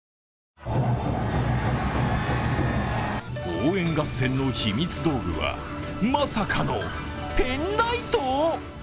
応援合戦の秘密道具はまさかのペンライト？